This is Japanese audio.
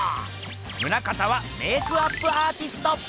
棟方はメークアップアーティスト！